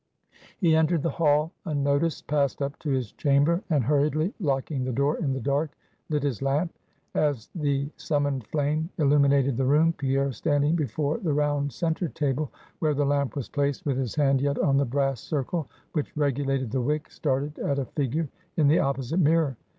He entered the hall unnoticed, passed up to his chamber, and hurriedly locking the door in the dark, lit his lamp. As the summoned flame illuminated the room, Pierre, standing before the round center table, where the lamp was placed, with his hand yet on the brass circle which regulated the wick, started at a figure in the opposite mirror.